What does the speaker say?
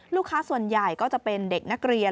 ลูกค้าส่วนใหญ่ก็จะเป็นเด็กนักเรียน